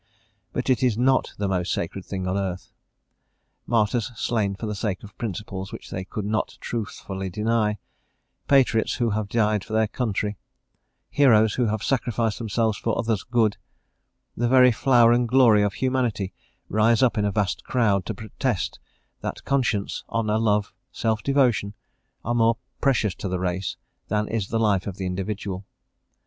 But it is not the most sacred thing on earth. Martyrs slain for the sake of principles which they could not truthfully deny; patriots who have died for their country; heroes who have sacrificed themselves for others' good; the very flower and glory of humanity rise up in a vast crowd to protest that conscience, honour, love, self devotion, are more precious to the race than is the life of the individual.